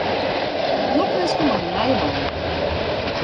Lokwinske mei dyn nije baan.